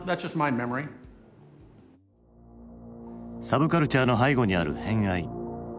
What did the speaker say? サブカルチャーの背後にある偏愛憎悪。